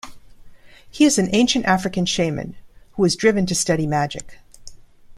He is an ancient African shaman, who is driven to study magic.